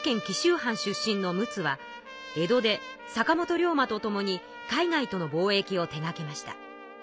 紀州藩出身の陸奥は江戸で坂本龍馬と共に海外との貿易を手がけました。